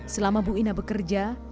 selama ibu ina bekerja